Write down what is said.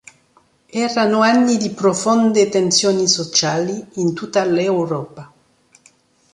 Erano anni di profonde tensioni sociali in tutta l’Europa.